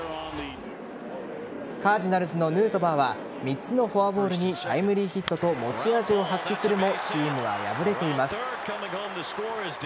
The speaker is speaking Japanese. カージナルスのヌートバーは３つのフォアボールにタイムリーヒットと持ち味を発揮するもチームは敗れています。